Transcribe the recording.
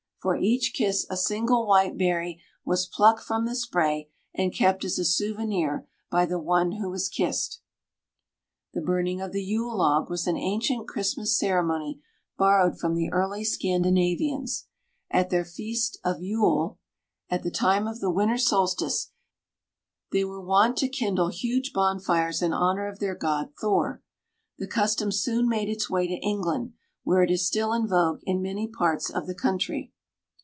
For each kiss, a single white berry was plucked from the spray, and kept as a souvenir by the one who was kissed. The burning of the Yule log was an ancient Christmas ceremony borrowed from the early Scandinavians. At their feast of Juul (pronounced Yuul), at the time of the winter solstice, they were wont to kindle huge bonfires in honour of their god Thor. The custom soon made its way to England where it is still in vogue in many parts of the country.